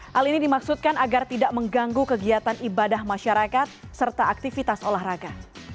hal ini dimaksudkan agar tidak mengganggu kegiatan ibadah masyarakat serta aktivitas olahraga